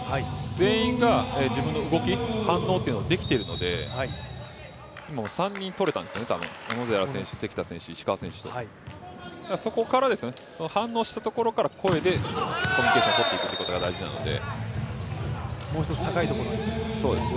全員が自分の動き反応というのができているので今も３人とれたんですよね、多分、小野寺選手、関田選手、石川選手と。反応したところから声でコミュニケーションをとっていくことが大事なので。